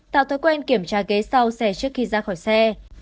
tạo thói quen kiểm tra ghế sau xe trước khi ra khỏi xe